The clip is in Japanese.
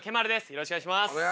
よろしくお願いします。